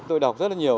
tôi đọc rất là nhiều